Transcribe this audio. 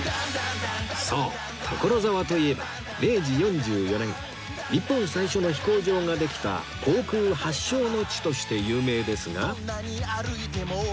そう所沢といえば明治４４年日本最初の飛行場ができた航空発祥の地として有名ですが